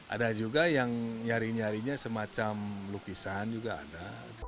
ada juga yang nyari nyarinya semacam lukisan juga ada